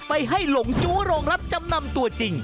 ไปให้หลงจู้โรงรับจำนำตัวจริง